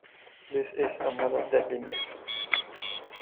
This is another deadly myth.